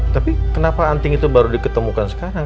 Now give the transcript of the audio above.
tapi kenapa anting itu baru diketemukan sekarang